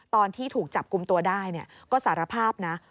ตอนที่ถูกจับกลุ่มตัวได้ก็สารภาพนะ